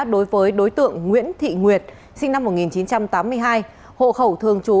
đối với đối tượng nguyễn thị nguyệt sinh năm một nghìn chín trăm tám mươi hai hộ khẩu thường trú